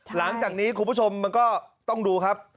หลังจากนี้คุณผู้ชมมันก็ต้องดูครับ